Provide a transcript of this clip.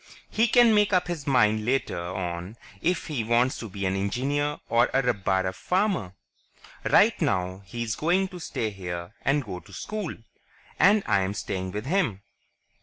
He can make up his mind later on if he wants to be an engineer or a rabbara farmer. Right now, he's going to stay here and go to school ... and I'm staying with him."